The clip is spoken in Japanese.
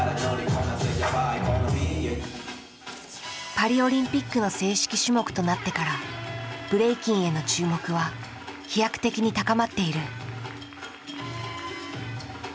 パリオリンピックの正式種目となってからブレイキンへの注目は飛躍的に高まっている。